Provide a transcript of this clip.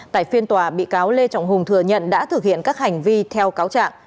tại phiên tòa bị cáo lê trọng hùng thừa nhận đã thực hiện các hành vi theo cáo trạng